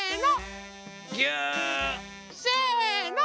せの。